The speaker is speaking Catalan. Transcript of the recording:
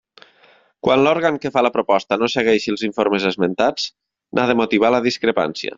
Quan l'òrgan que fa la proposta no segueixi els informes esmentats, n'ha de motivar la discrepància.